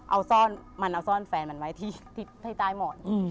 เอาซ่อนมันเอาซ่อนแฟนมันไว้ที่ให้ใต้หมอน